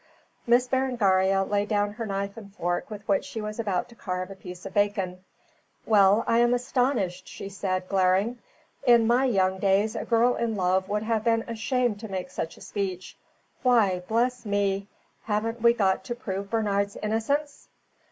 Miss Berengaria laid down her knife and fork with which she was about to carve a piece of bacon. "Well, I am astonished," she said, glaring. "In my young days a girl in love would have been ashamed to make such a speech. Why, bless me! haven't we got to prove Bernard's innocence?"